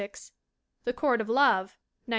The Court of Love, 1906.